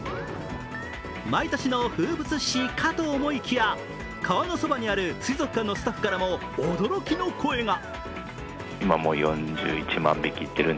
毎年の風物詩かと思いきや、川のそばにある水族館のスタッフからも驚きの声が。